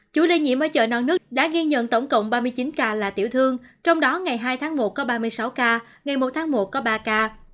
chủ lây nhiễm ở chợ non nước đã ghi nhận tổng cộng ba mươi chín ca là tiểu thương trong đó ngày hai tháng một có ba mươi sáu ca ngày một tháng một có ba ca